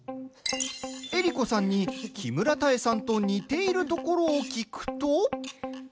江里子さんに、木村多江さんと似ているところを聞くと。